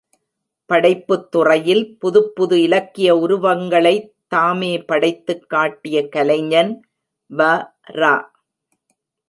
படைப்புத் துறையில் புதுப்புது இலக்கிய உருவங்களைத் தாமே படைத்துக் காட்டிய கலைஞன் வ.ரா.